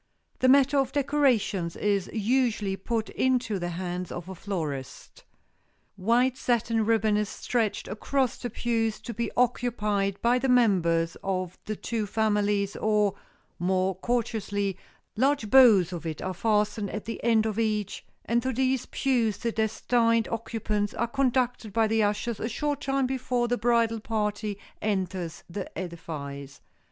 The matter of decorations is usually put into the hands of a florist. White satin ribbon is stretched across the pews to be occupied by the members of the two families or, more courteously, large bows of it are fastened at the end of each, and to these pews the destined occupants are conducted by the ushers a short time before the bridal party enters the edifice.